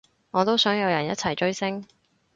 我都想有人一齊追星